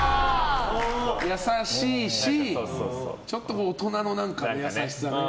優しいしちょっと大人の何かね。